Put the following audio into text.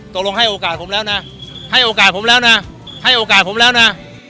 โอกาสให้โอกาสผมแล้วนะให้โอกาสผมแล้วนะให้โอกาสผมแล้วนะ